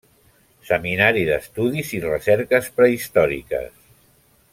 Seminari d'Estudis i Recerques Prehistòriques.